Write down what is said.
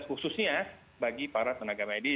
khususnya bagi para tenaga medis